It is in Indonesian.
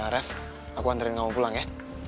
ah rev aku hantarin kamu pulang ya